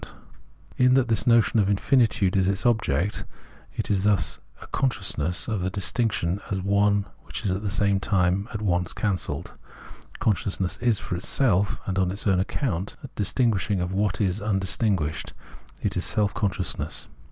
Understanding 1 6 1 In that this notion of infinitude is its object, it is thus a consciousness of the distinction as one which at the same time is at once cancelled. Consciousness is for itself and on its own account, it is a distinguishiag of what is undistinguished, it is Self consciousness.